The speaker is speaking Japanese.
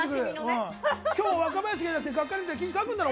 今日、若林がいなくてがっかりって記事書くんだろ！